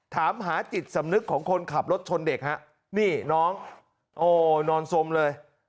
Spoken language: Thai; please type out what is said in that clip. ถามหาจิตสำนึกของคนขับรถชนเด็กฮะนี่น้องโอ้นอนสมเลย